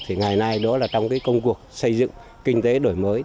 thì ngày nay đó là trong cái công cuộc xây dựng kinh tế đổi mới